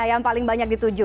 yang paling banyak dituju